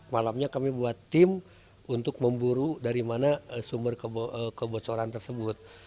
malamnya kami buat tim untuk memburu dari mana sumber kebocoran tersebut